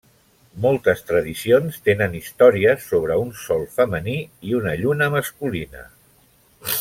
Moltes tradicions tenen històries sobre un Sol femení i una Lluna masculina.